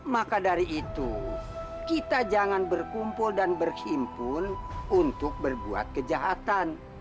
maka dari itu kita jangan berkumpul dan berhimpun untuk berbuat kejahatan